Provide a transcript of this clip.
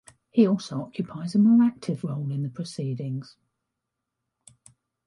He also occupies a more active role in the proceedings.